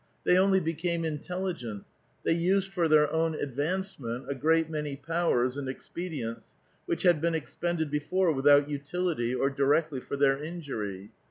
They only became intelligent ; they used for their own advancement a great many powers and expedients which had been expended before without utility or directly for their injury.